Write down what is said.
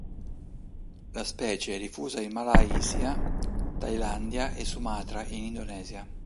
La specie è diffusa in Malaysia, Thailandia e Sumatra in Indonesia.